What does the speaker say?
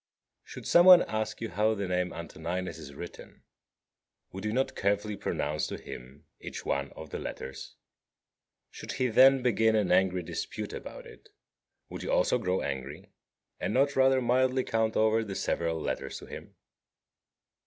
26. Should some one ask you how the name Antoninus is written, would you not carefully pronounce to him each one of the letters? Should he then begin an angry dispute about it, would you also grow angry, and not rather mildly count over the several letters to him?